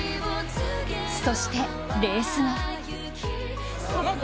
そして、レース後。